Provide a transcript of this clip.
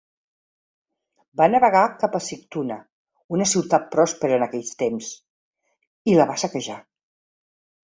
Va navegar cap a Sigtuna, una ciutat pròspera en aquells temps, i la va saquejar.